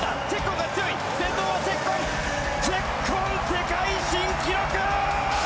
チェッコン、世界新記録！